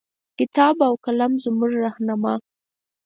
کتاب او قلم زمونږه رهنما